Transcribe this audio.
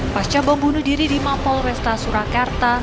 pasca bom bunuh diri di mapol resta surakarta